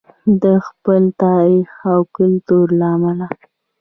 د خپل تاریخ او کلتور له امله.